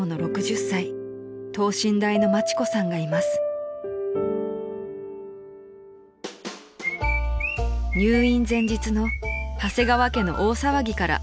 ［入院前日の長谷川家の大騒ぎから始まります］